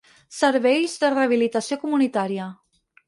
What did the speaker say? Serveis de rehabilitació comunitària.